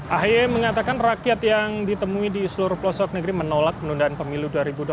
ahy mengatakan rakyat yang ditemui di seluruh pelosok negeri menolak penundaan pemilu dua ribu dua puluh